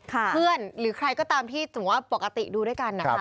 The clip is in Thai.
เพื่อนหรือใครก็ตามที่ปกติดูด้วยกันนะคะ